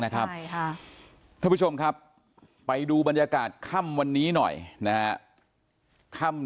ท่านผู้ชมครับไปดูบรรยากาศค่ำวันนี้หน่อยนะฮะค่ำ